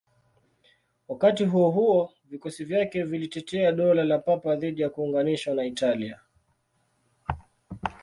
Wakati huo huo, vikosi vyake vilitetea Dola la Papa dhidi ya kuunganishwa na Italia.